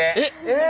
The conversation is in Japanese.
え！